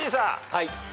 はい。